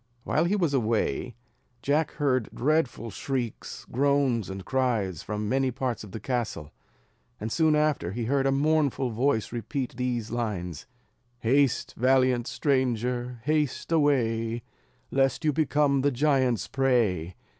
While he was away, Jack heard dreadful shrieks, groans, and cries, from many parts of the castle; and soon after he heard a mournful voice repeat these lines: "Haste, valiant stranger, haste away, Lest you become the giant's prey.